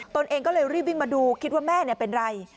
ตัวเองก็เลยรีบวิ่งมาดูคิดว่าแม่เป็นไร